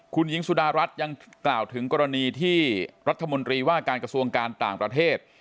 คุณหญิงสุดารัฐยังกล่าวถึงกรณีที่รัฐมนตรีว่าการกระทรวงการต่างประเทศ